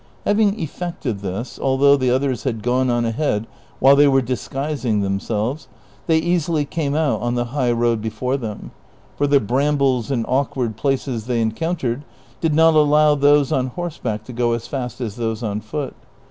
Hav ing effected this, although the others had gone on ahead while they were disguising themselves, they easily came out on the high road before them, for the brambles and awkward places they encountered did not alloAV those on horseback to go as fast as those on foot.